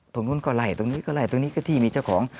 ตรงนู้นก็ไล่ตรงนี้ก็ไล่ตรงนี้ก็ที่มีเจ้าของ